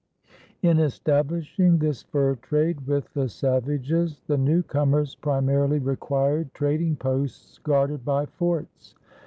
In establishing this fur trade with the savages, the newcomers primarily required trading posts guarded by forts.